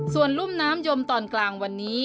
ส่วนรุ่มน้ำยมตอนกลางวันนี้